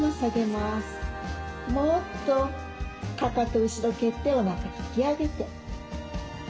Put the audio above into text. もっとかかと後ろ蹴っておなか引き上げて。